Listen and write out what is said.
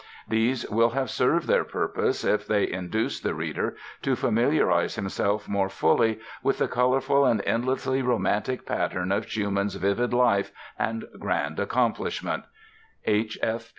These will have served their purpose if they induce the reader to familiarize himself more fully with the colorful and endlessly romantic pattern of Schumann's vivid life and grand accomplishment. H.